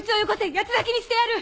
八つ裂きにしてやる！